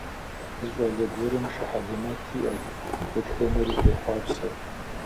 Зы щӏалэ гуэрым шы хьэлэмэт иӏэт, дэтхэнэри къехъуапсэу.